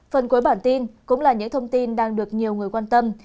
phần cuối bản tin cũng là những thông tin đang được nhiều người quan tâm